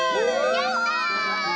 やった！